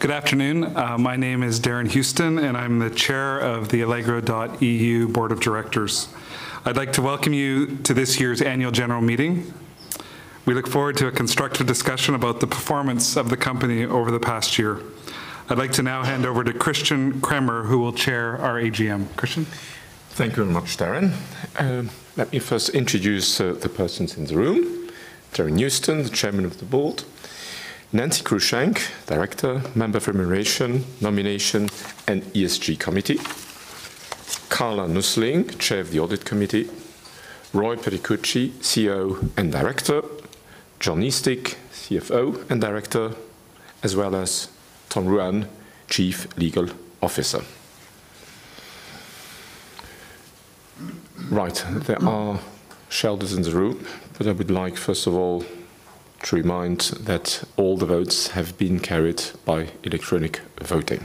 Good afternoon. My name is Darren Huston, I'm the Chair of the Allegro.eu Board of Directors. I'd like to welcome you to this year's annual general meeting. We look forward to a constructive discussion about the performance of the company over the past year. I'd like to now hand over to Christian Kremer, who will Chair our AGM. Christian. Thank you very much, Darren. Let me first introduce the persons in the room. Darren Huston, the Chairman of the Board. Nancy Cruickshank, Director, member of Remuneration, Nomination, and ESG Committee. Carla Nussling, Chair of the Audit Committee. Roy Perticucci, CEO and Director. Jonathan Eastick, CFO and Director, as well as Tom Ruhan, Chief Legal Officer. Right. There are shareholders in the room that I would like, first of all, to remind that all the votes have been carried by electronic voting.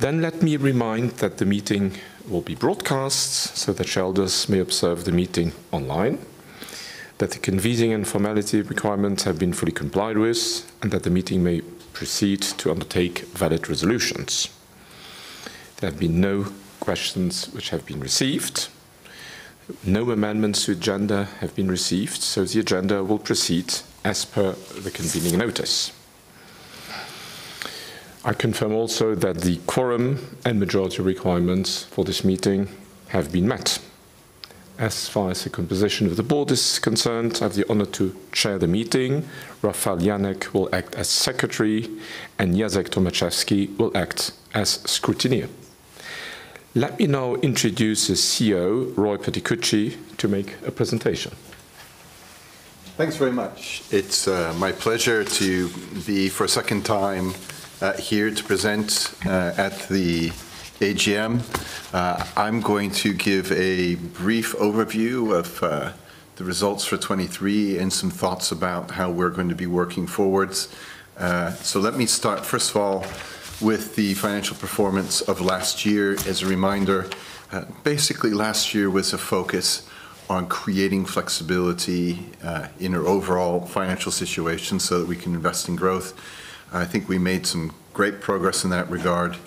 Let me remind that the meeting will be broadcast so that shareholders may observe the meeting online, that the convening and formality requirements have been fully complied with, and that the meeting may proceed to undertake valid resolutions. There have been no questions which have been received. No amendments to agenda have been received, so the agenda will proceed as per the convening notice. I confirm also that the quorum and majority requirements for this meeting have been met. As far as the composition of the board is concerned, I have the honor to chair the meeting. Rafał Janik will act as secretary, and Jacek Tomaszewski will act as scrutineer. Let me now introduce the CEO, Roy Perticucci, to make a presentation. Thanks very much. It's my pleasure to be, for a second time, here to present at the AGM. I'm going to give a brief overview of the results for 2023 and some thoughts about how we're going to be working forwards. Let me start, first of all, with the financial performance of last year. As a reminder, basically, last year was a focus on creating flexibility in our overall financial situation so that we can invest in growth. I think we made some great progress in that regard.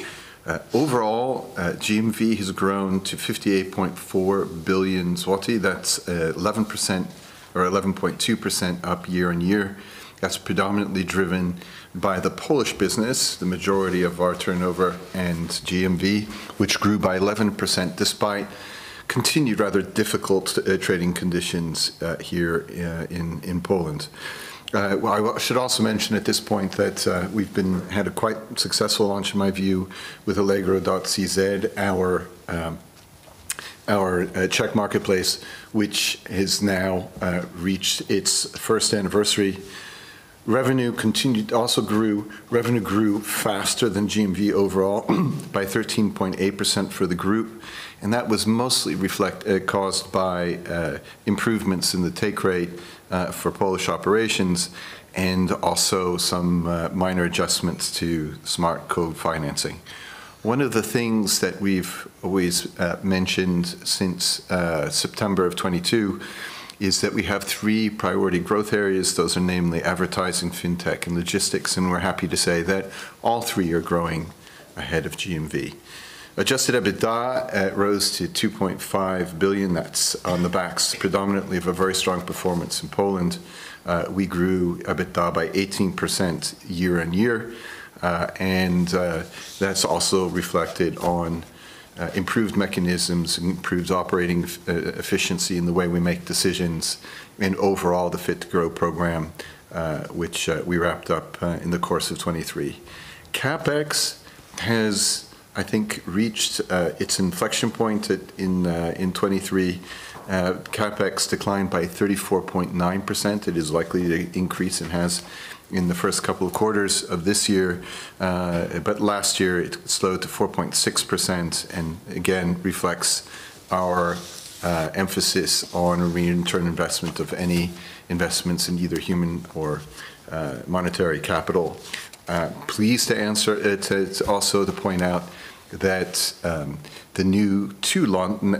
Overall, GMV has grown to 58.4 billion zloty. That's 11% or 11.2% up year-on-year. That's predominantly driven by the Polish business, the majority of our turnover and GMV, which grew by 11% despite continued rather difficult trading conditions here in Poland. Well, I should also mention at this point that we've had a quite successful launch, in my view, with Allegro.cz, our Czech marketplace, which has now reached its first anniversary. Revenue also grew. Revenue grew faster than GMV overall by 13.8% for the group, and that was mostly caused by improvements in the take rate for Polish operations and also some minor adjustments to Smart co-financing. One of the things that we've always mentioned since September of 2022 is that we have three priority growth areas. Those are namely advertising, fintech, and logistics, and we're happy to say that all three are growing ahead of GMV. Adjusted EBITDA rose to 2.5 billion. That's on the backs predominantly of a very strong performance in Poland. We grew EBITDA by 18% year-on-year, and that's also reflected on improved mechanisms, improved operating efficiency in the way we make decisions and overall the Fit to Grow program, which we wrapped up in the course of 2023. CapEx has, I think, reached its inflection point in 2023. CapEx declined by 34.9%. It is likely to increase and has in the first couple of quarters of this year. Last year it slowed to 4.6% and again reflects our emphasis on return on investment of any investments in either human or monetary capital. Pleased to also point out that the new two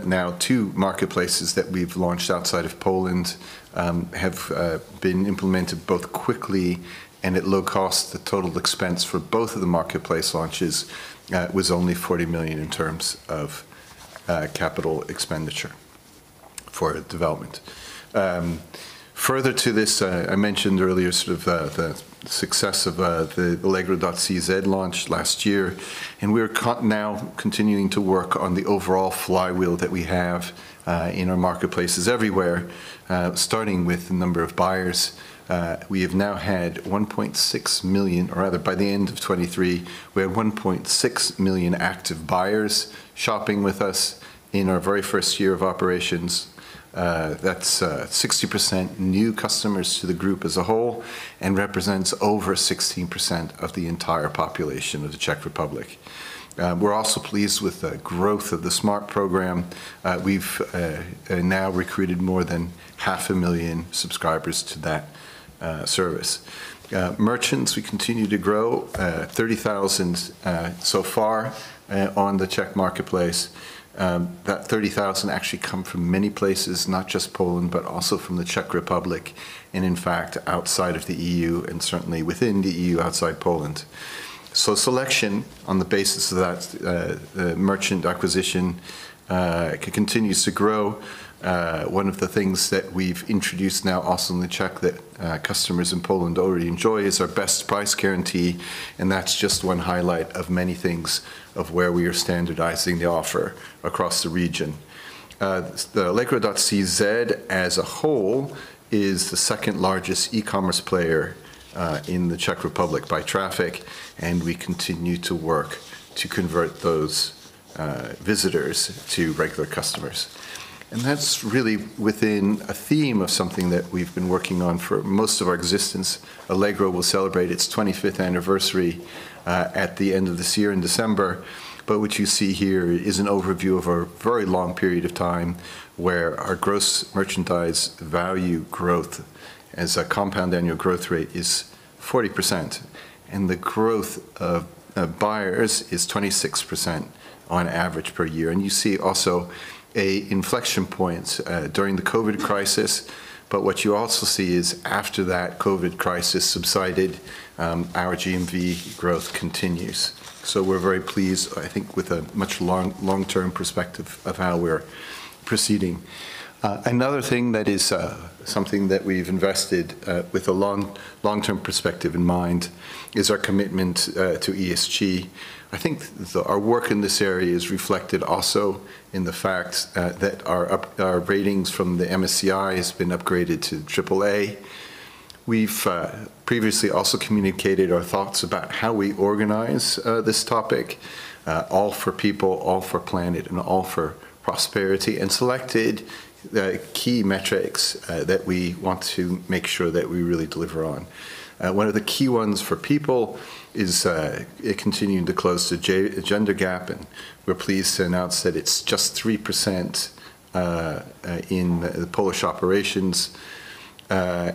now two marketplaces that we've launched outside of Poland have been implemented both quickly and at low cost. The total expense for both of the marketplace launches was only 40 million in terms of capital expenditure for development. Further to this, I mentioned earlier sort of the success of the Allegro.cz launch last year, we're now continuing to work on the overall flywheel that we have in our marketplaces everywhere, starting with the number of buyers. We have now had 1.6 million, or rather by the end of 2023, we have 1.6 million active buyers shopping with us in our very first year of operations. That's 60% new customers to the group as a whole and represents over 16% of the entire population of the Czech Republic. We're also pleased with the growth of the Smart program. We've now recruited more than half a million subscribers to that service. Merchants, we continue to grow, 30,000 so far on the Czech marketplace. That 30,000 actually come from many places, not just Poland, but also from the Czech Republic. And in fact, outside of the EU and certainly within the EU, outside Poland. Selection on the basis of that merchant acquisition continues to grow. One of the things that we've introduced now also in the Czech that customers in Poland already enjoy is our Best Price Guarantee, that's just one highlight of many things of where we are standardizing the offer across the region. The Allegro.cz as a whole is the second largest e-commerce player in the Czech Republic by traffic, we continue to work to convert those visitors to regular customers. That's really within a theme of something that we've been working on for most of our existence. Allegro will celebrate its 25th anniversary at the end of this year in December. What you see here is an overview of our very long period of time where our gross merchandise value growth as a compound annual growth rate is 40%, and the growth of buyers is 26% on average per year. You see also an inflection point during the COVID crisis. What you also see is, after that COVID crisis subsided, our GMV growth continues. We're very pleased, I think, with a much long-term perspective of how we're proceeding. Another thing that is something that we've invested with a long-term perspective in mind is our commitment to ESG. I think our work in this area is reflected also in the fact that our ratings from the MSCI has been upgraded to triple A. We've previously also communicated our thoughts about how we organize this topic, all for people, all for planet, and all for prosperity, and selected the key metrics that we want to make sure that we really deliver on. One of the key ones for people is continuing to close the gender gap, and we're pleased to announce that it's just 3% in the Polish operations. I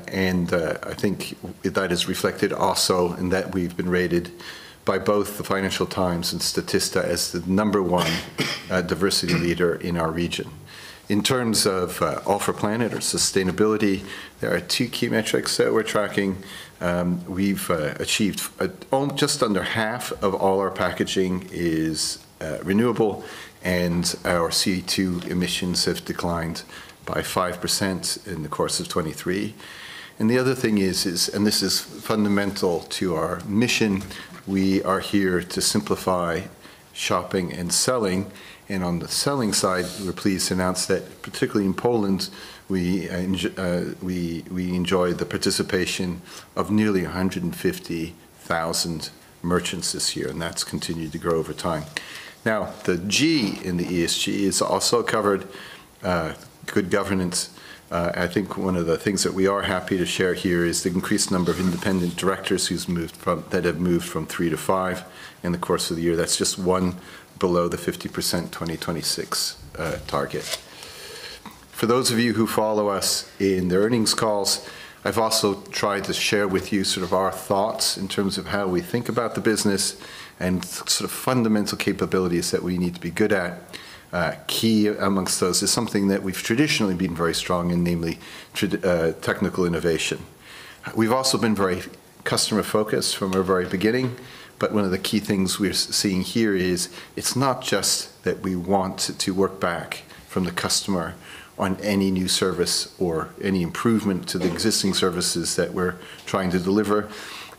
think that is reflected also in that we've been rated by both the Financial Times and Statista as the number one diversity leader in our region. In terms of all for planet or sustainability, there are two key metrics that we're tracking. We've achieved just under half of all our packaging is renewable, and our CO2 emissions have declined by 5% in the course of 2023. The other thing is, this is fundamental to our mission, we are here to simplify shopping and selling. On the selling side, we're pleased to announce that particularly in Poland, we enjoy the participation of nearly 150,000 merchants this year, and that's continued to grow over time. The G in the ESG is also covered, good governance. I think one of the things that we are happy to share here is the increased number of independent directors that have moved from three to five in the course of the year. That's just one below the 50% 2026 target. For those of you who follow us in the earnings calls, I've also tried to share with you sort of our thoughts in terms of how we think about the business and sort of fundamental capabilities that we need to be good at. Key amongst those is something that we've traditionally been very strong in, namely technical innovation. We've also been very customer-focused from our very beginning, but one of the key things we're seeing here is, it's not just that we want to work back from the customer on any new service or any improvement to the existing services that we're trying to deliver,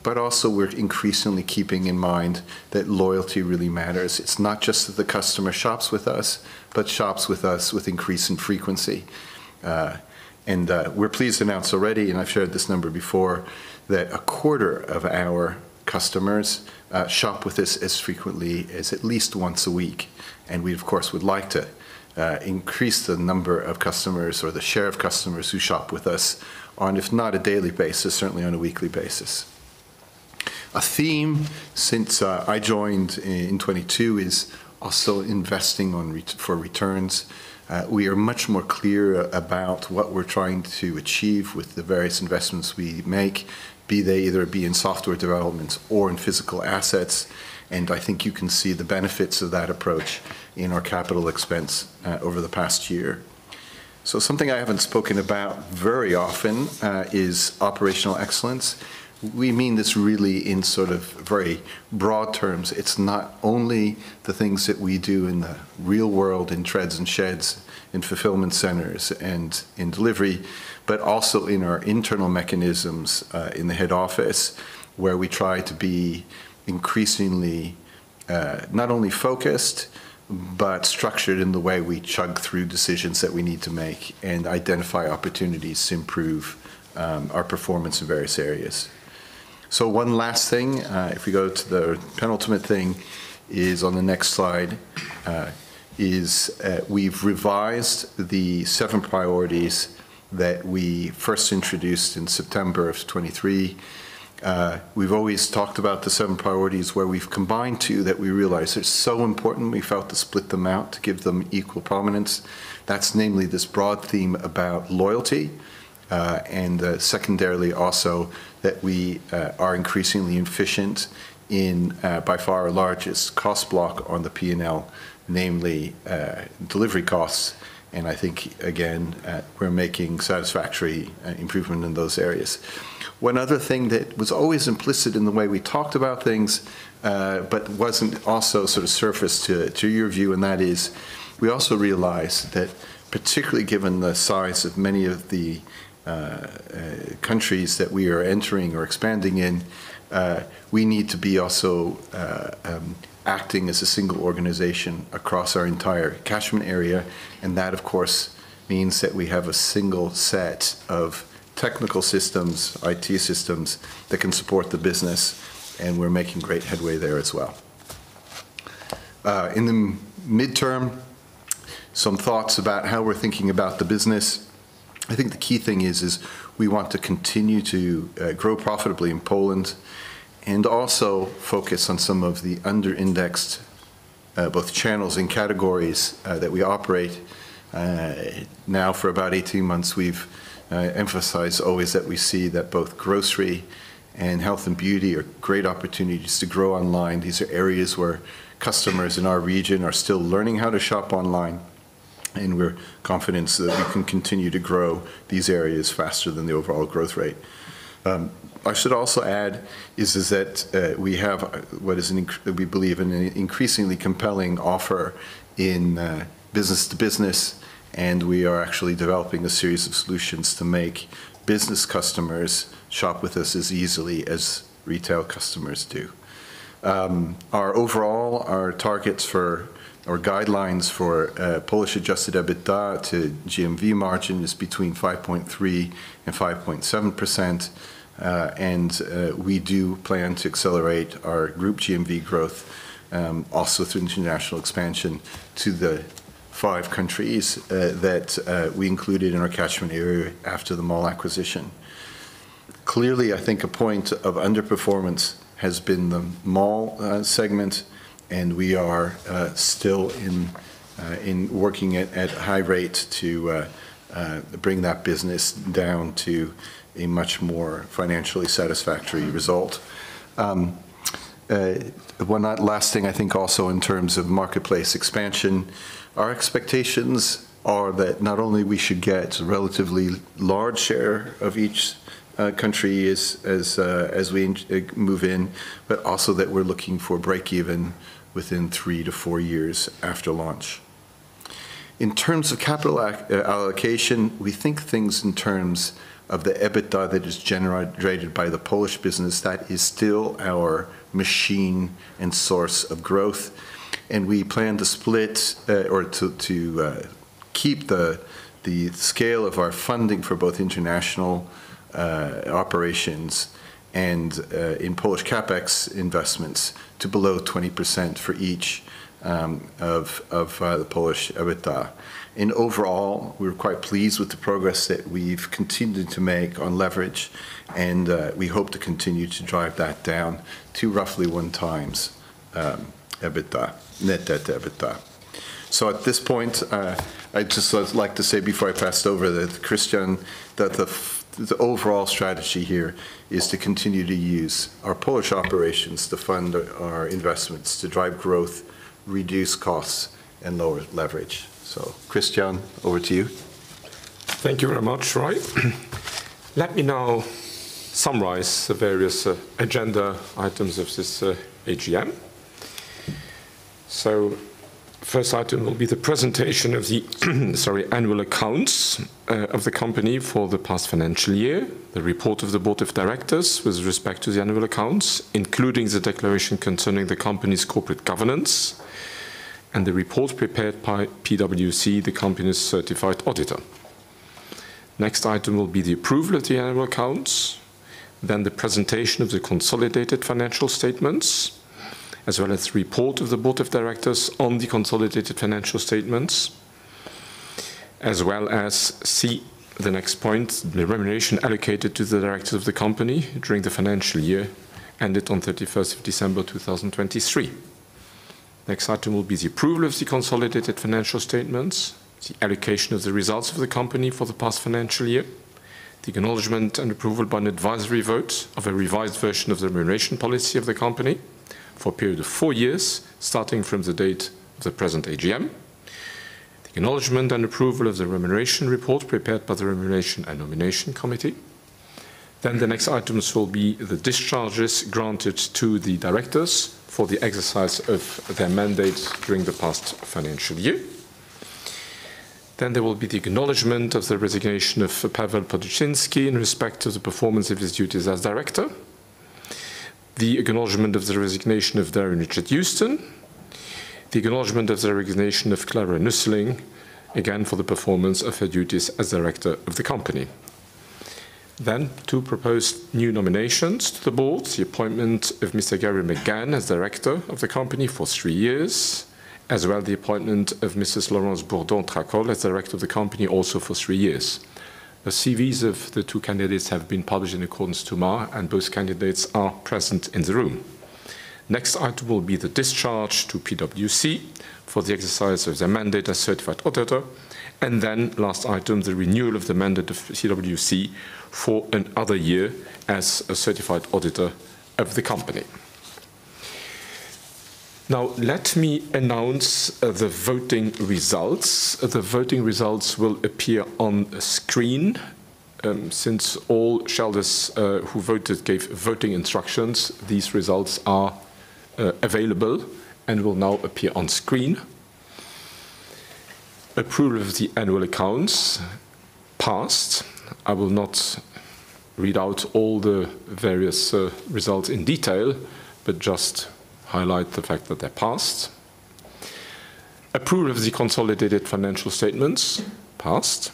but also we're increasingly keeping in mind that loyalty really matters. It's not just that the customer shops with us but shops with us with increase in frequency. We're pleased to announce already, and I've shared this number before, that a quarter of our customers shop with us as frequently as at least once a week. We, of course, would like to increase the number of customers or the share of customers who shop with us on, if not a daily basis, certainly on a weekly basis. A theme since I joined in 2022 is also investing for returns. We are much more clear about what we're trying to achieve with the various investments we make, be they either be in software developments or in physical assets, and I think you can see the benefits of that approach in our CapEx over the past year. Something I haven't spoken about very often is operational excellence. We mean this really in sort of very broad terms. It's not only the things that we do in the real world, in treads and sheds, in fulfillment centers, and in delivery, but also in our internal mechanisms, in the head office, where we try to be increasingly not only focused but structured in the way we chug through decisions that we need to make and identify opportunities to improve our performance in various areas. One last thing, if we go to the penultimate thing, is on the next slide, is we've revised the seven priorities that we first introduced in September of 2023. We've always talked about the seven priorities where we've combined two that we realized are so important we felt to split them out to give them equal prominence. That's namely this broad theme about loyalty, and secondarily also that we are increasingly efficient in by far our largest cost block on the P&L, namely delivery costs. I think, again, we're making satisfactory improvement in those areas. One other thing that was always implicit in the way we talked about things, but wasn't also sort of surfaced to your view, and that is we also realized that particularly given the size of many of the countries that we are entering or expanding in, we need to be also acting as a single organization across our entire catchment area, and that of course means that we have a single set of technical systems, IT systems that can support the business, and we're making great headway there as well. In the midterm, some thoughts about how we're thinking about the business. I think the key thing is we want to continue to grow profitably in Poland and also focus on some of the under-indexed, both channels and categories, that we operate. Now for about 18 months we've emphasized always that we see that both grocery and health and beauty are great opportunities to grow online. These are areas where customers in our region are still learning how to shop online, and we're confident that we can continue to grow these areas faster than the overall growth rate. I should also add is that we have what is an increasingly compelling offer in business to business, and we are actually developing a series of solutions to make business customers shop with us as easily as retail customers do. Our overall, our targets for, or guidelines for, Polish adjusted EBITDA to GMV margin is between 5.3% and 5.7%. We do plan to accelerate our group GMV growth, also through international expansion to the five countries that we included in our catchment area after the MALL acquisition. Clearly, I think a point of underperformance has been the MALL segment, and we are still working at high rate to bring that business down to a much more financially satisfactory result. One last thing I think also in terms of marketplace expansion, our expectations are that not only we should get a relatively large share of each country as we move in, but also that we're looking for breakeven within 3-4 years after launch. In terms of capital allocation, we think things in terms of the EBITDA that is generated by the Polish business. That is still our machine and source of growth. We plan to split or to keep the scale of our funding for both international operations and in Polish CapEx investments to below 20% for each of the Polish EBITDA. Overall, we're quite pleased with the progress that we've continued to make on leverage, and we hope to continue to drive that down to roughly one time EBITDA, net debt to EBITDA. At this point, I'd just like to say before I pass it over that Christian, that the overall strategy here is to continue to use our Polish operations to fund our investments, to drive growth, reduce costs, and lower leverage. Christian, over to you. Thank you very much, Roy. Let me now summarize the various agenda items of this AGM. First item will be the presentation of the annual accounts of the company for the past financial year, the report of the Board of Directors with respect to the annual accounts, including the declaration concerning the company's corporate governance, and the report prepared by PwC, the company's certified auditor. Next item will be the approval of the annual accounts, then the presentation of the consolidated financial statements, as well as report of the Board of Directors on the consolidated financial statements, as well as C, the next point, the remuneration allocated to the directors of the company during the financial year ended on 31st of December 2023. Next item will be the approval of the consolidated financial statements, the allocation of the results of the company for the past financial year, the acknowledgment and approval by an advisory vote of a revised version of the remuneration policy of the company for a period of four years starting from the date of the present AGM, the acknowledgment and approval of the remuneration report prepared by the Remuneration and Nomination Committee. The next items will be the discharges granted to the directors for the exercise of their mandate during the past financial year. There will be the acknowledgment of the resignation of Paweł Padusiński in respect to the performance of his duties as director, the acknowledgment of the resignation of Darren Richard Huston, the acknowledgment of the resignation of Carla Smits-Nusteling, again, for the performance of her duties as director of the company. Two proposed new nominations to the board, the appointment of Mr. Gary McGanna as director of the company for three years, as well the appointment of Mrs. Laurence Bourdon-Tracol as director of the company also for three years. The CVs of the two candidates have been published in accordance to law. Both candidates are present in the room. Next item will be the discharge to PwC for the exercise of their mandate as certified auditor. Last item, the renewal of the mandate of PwC for another year as a certified auditor of the company. Now let me announce the voting results. The voting results will appear on screen. Since all shareholders who voted gave voting instructions, these results are available and will now appear on screen. Approval of the annual accounts passed. I will not read out all the various results in detail, but just highlight the fact that they passed. Approval of the consolidated financial statements passed.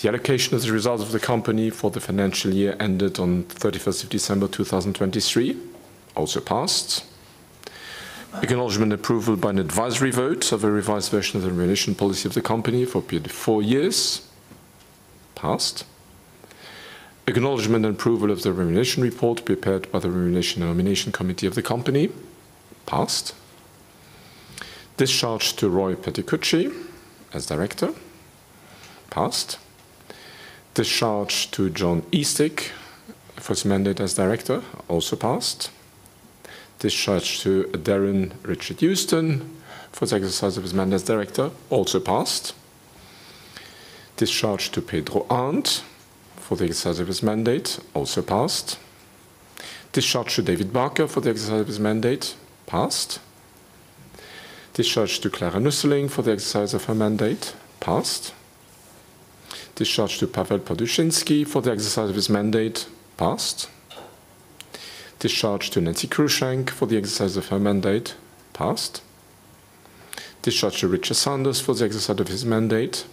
The allocation of the results of the company for the financial year ended on 31st of December 2023 also passed. Acknowledgement approval by an advisory vote of a revised version of the remuneration policy of the company for a period of four years passed. Acknowledgement and approval of the remuneration report prepared by the Remuneration and Nomination Committee of the Company passed. Discharge to Roy Perticucci as director passed. Discharge to Jonathan Eastick for his mandate as director also passed. Discharge to Darren Richard Huston for the exercise of his mandate as director also passed. Discharge to Pedro Arnt for the exercise of his mandate also passed. Discharge to David Barker for the exercise of his mandate passed. Discharge to Carla Smits-Nusteling for the exercise of her mandate passed. Discharge to Paweł Padusiński for the exercise of his mandate passed. Discharge to Nancy Cruickshank for the exercise of her mandate passed. Discharge to Richard Sanders for the exercise of his mandate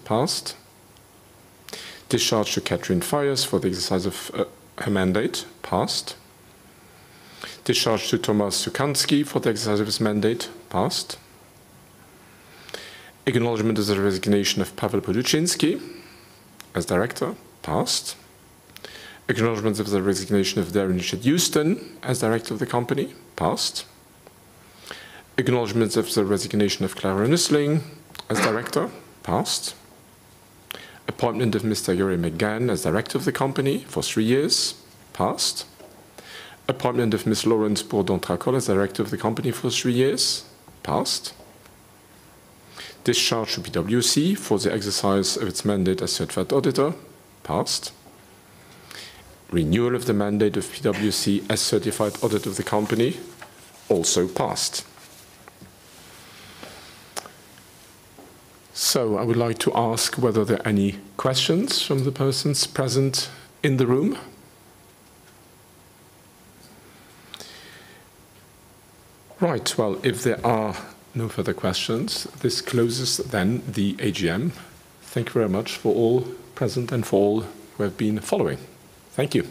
passed. Discharge to Catherine Faiers for the exercise of her mandate passed. Discharge to Tomasz Suchański for the exercise of his mandate passed. Acknowledgement of the resignation of Paweł Padusiński as director passed. Acknowledgement of the resignation of Darren Richard Huston as director of the company passed. Acknowledgement of the resignation of Carla Smits-Nusteling as director passed. Appointment of Mr. Gary McGann as director of the company for three years passed. Appointment of Ms. Laurence Bourdon-Tracol as director of the company for three years passed. Discharge of PwC for the exercise of its mandate as certified auditor passed. Renewal of the mandate of PwC as certified auditor of the company also passed. I would like to ask whether there are any questions from the persons present in the room. Right. If there are no further questions, this closes the AGM. Thank you very much for all present and for all who have been following. Thank you.